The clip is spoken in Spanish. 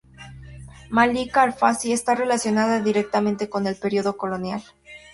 Malika al-Fassi está relacionada directamente con el período colonial.